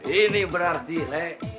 ini berarti le